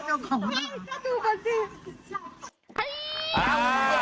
หัวเราะเจ้าของน้ำ